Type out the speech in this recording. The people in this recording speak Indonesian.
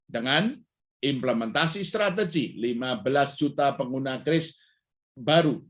dengan implementasi strategi lima belas juta pengguna kris baru